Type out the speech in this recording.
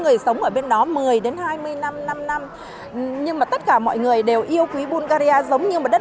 người sống ở bên đó một mươi đến hai mươi năm năm nhưng mà tất cả mọi người đều yêu quý bungarya giống như một đất